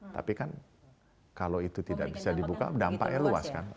tapi kan kalau itu tidak bisa dibuka dampaknya luas kan